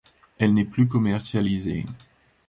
Elle n’est plus commercialisée.